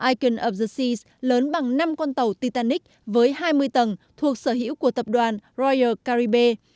icon of the sea lớn bằng năm con tàu titanic với hai mươi tầng thuộc sở hữu của tập đoàn royal caribbean